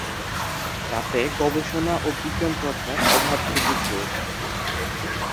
যাতে গবেষণা ও বিজ্ঞান চর্চার অবাধ সুযোগ রয়েছে।